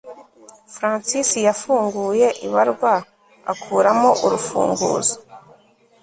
Francis yafunguye ibarwa akuramo urufunguzo